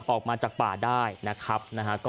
ออกมาจากป่าได้นะครับนะฮะ